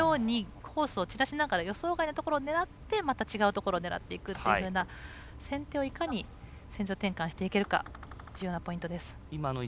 コースを散らしながら予想外のところを狙ってまた違ったところを狙っていくというような先手をいかに転換していけるかが重要なポイントです。